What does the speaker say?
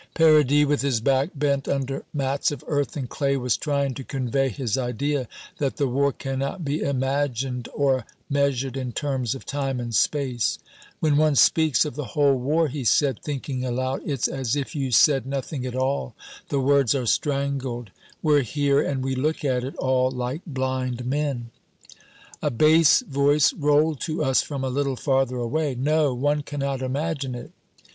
Paradis, with his back bent under mats of earth and clay, was trying to convey his idea that the war cannot be imagined or measured in terms of time and space. "When one speaks of the whole war," he said, thinking aloud, "it's as if you said nothing at all the words are strangled. We're here, and we look at it all like blind men." A bass voice rolled to us from a little farther away, "No, one cannot imagine it."